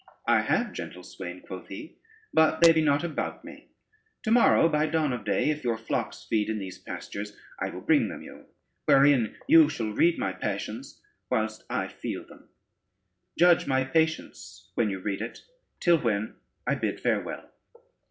"I have, gentle swain," quoth he, "but they be not about me. To morrow by dawn of day, if your flocks feed in these pastures, I will bring them you, wherein you shall read my passions whilst I feel them, judge my patience when you read it: till when I bid farewell."